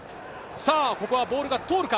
ここはボールが通るか？